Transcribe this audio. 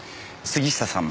杉下さん